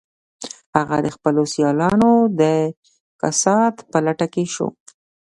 هغه د خپلو سیالانو د کسات په لټه کې شو